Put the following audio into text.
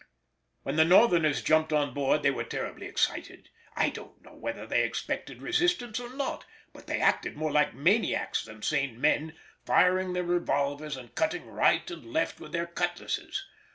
When the Northerners jumped on board they were terribly excited. I don't know whether they expected resistance or not, but they acted more like maniacs than sane men, firing their revolvers and cutting right and left with their cutlasses.